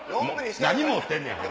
何持ってんねん。